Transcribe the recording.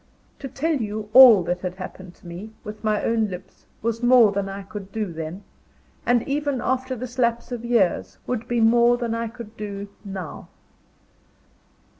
To tell you all that had happened to me, with my own lips, was more than I could do then and even after this lapse of years, would be more than I could do now.